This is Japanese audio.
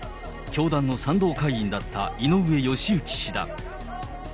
教団の賛同会員だった井上義行氏だ。